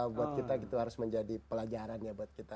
buat kita itu harus menjadi pelajaran ya buat kita